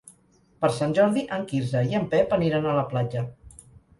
Per Sant Jordi en Quirze i en Pep aniran a la platja.